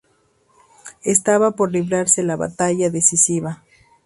Estaba por librarse la batalla decisiva.